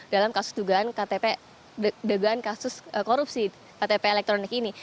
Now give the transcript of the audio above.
dalam kasus dugaan kasus korupsi ktp elektronik ini